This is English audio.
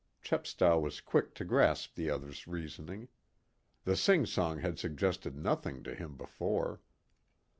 Chepstow was quick to grasp the other's reasoning. The singsong had suggested nothing to him before.